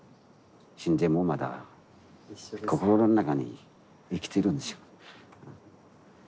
死んでもまだ心の中に生きてるんですよ。